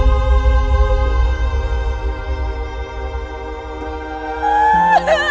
akan kami j sua askir ayahmu